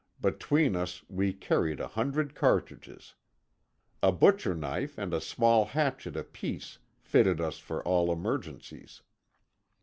Between us we carried a hundred cartridges. A butcher knife and a small hatchet apiece fitted us for all emergencies.